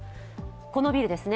このビルですね。